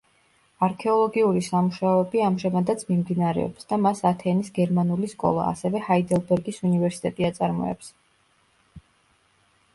არქეოლოგიური სამუშაოები ამჟამადაც მიმდინარეობს და მას ათენის გერმანული სკოლა, ასევე ჰაიდელბერგის უნივერსიტეტი აწარმოებს.